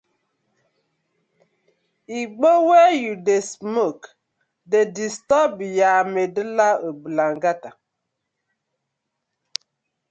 Igbo wey yu dey smoke dey disturb yah medulla oblongata.